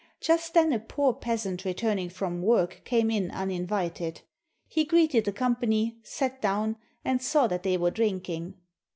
Just then a poor peasant re turning from work came in uninvited. He greeted the company, sat down, and saw that they were drinking.